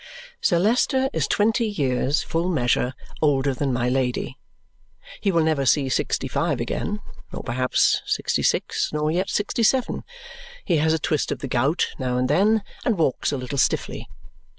Sir Leicester is twenty years, full measure, older than my Lady. He will never see sixty five again, nor perhaps sixty six, nor yet sixty seven. He has a twist of the gout now and then and walks a little stiffly.